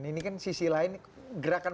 ini kan sisi lain gerakan